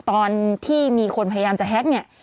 ตอนที่มีคนพยายามจะแฮ็กเนี่ย